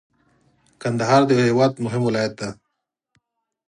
کندهار د هیواد مهم ولایت دی.